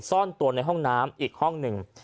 ซ่อนตัวในห้องน้ำอีกห้องหนึ่ง